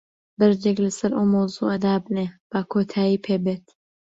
بەردێک لەسەر ئەو مەوزوعە دابنێ، با کۆتایی پێ بێت.